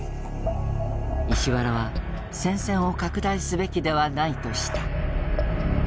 石原は戦線を拡大すべきではないとした。